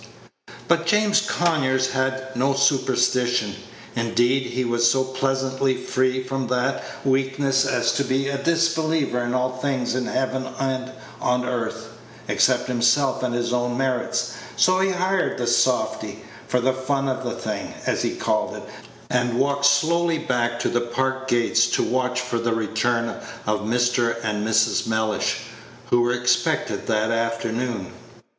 But James Conyers had no superstition; indeed, he was so pleasantly free from that weakness as to be a disbeliever in all things in heaven and on earth, except himself and his own merits; so he hired the softy, for the fun of the thing, as he called it, and walked slowly back to the Park gates to watch for the return of Mr. and Mrs. Mellish, who were expected that afternoon.